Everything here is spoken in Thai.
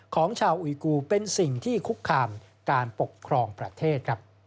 ของชาวอุยกูเป็นสิ่งที่คุกคามการปกครองประเทศ